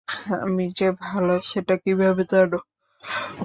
আমি যে ভাল, সেটা কীভাবে জান?